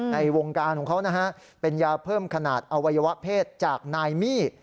ในวงการของเขานะฮะเป็นยาเพิ่มขนาดอวัยวะเพศจากนายมี่